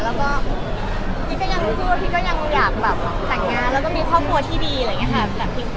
แล้วก็พีชก็ยังรู้สึกว่าพีชก็ยังอยากแบบแต่งงานแล้วก็มีครอบครัวที่ดีอะไรอย่างนี้ค่ะ